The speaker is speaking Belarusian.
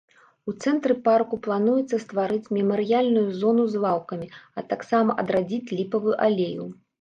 У цэнтры парку плануецца стварыць мемарыяльную зону з лаўкамі, а таксама адрадзіць ліпавую алею.